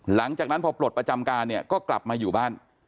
หลังจากนั้นพอปลดประจำการเนี่ยก็กลับมาอยู่บ้าน